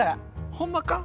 ホンマか？